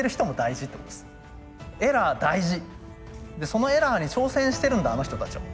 そのエラーに挑戦してるんだあの人たちは。